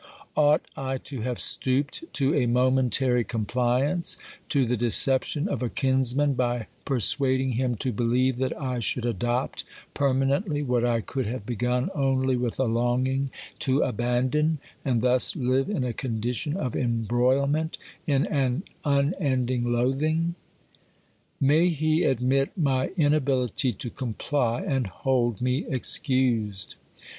Ought I to have stooped to a momentary compliance, to the decep tion of a kinsman by persuading him to believe that I should adopt permanently what I could have begun only with a longing to abandon, and thus live in a condition of embroilment, in an unending loathing ? May he admit my inability to comply and hold me excused